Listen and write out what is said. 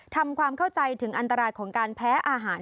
ทำความเข้าใจถึงอันตรายของการแพ้อาหาร